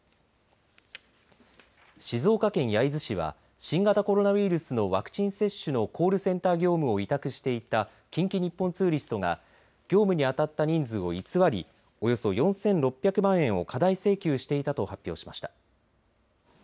静岡県焼津市は新型コロナウイルスのワクチン接種のコールセンター業務を委託していた近畿日本ツーリストが業務に当たった人数を偽り、およそ４６００万円を過大請求していたと発表しました。